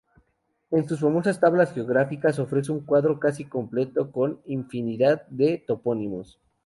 En sus famosas tablas geográficas ofrece un cuadro casi completo con infinidad de topónimos.